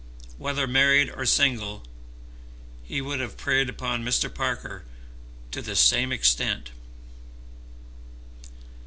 "Whether married or single he would have preyed upon Mr. Parker to the same extent."